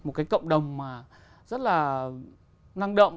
một cái cộng đồng mà rất là năng động